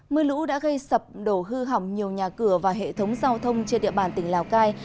mưa lũ đã gây sập đổ hư hỏng nhiều nhà cửa và hệ thống giao thông trên địa bàn tỉnh lào cai